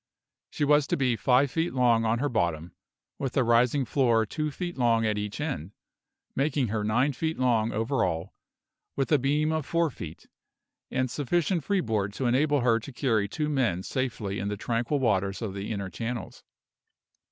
She was to be five feet long on her bottom, with a rising floor two feet long at each end, making her nine feet long over all, with a beam of four feet, and sufficient freeboard to enable her to carry two men safely in the tranquil waters of the inner channels.